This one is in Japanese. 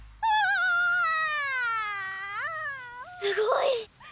すごい。